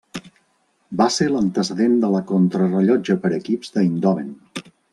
Va ser l'antecedent de la Contrarellotge per equips d'Eindhoven.